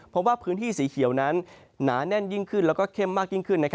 เพราะว่าพื้นที่สีเขียวนั้นหนาแน่นยิ่งขึ้นแล้วก็เข้มมากยิ่งขึ้น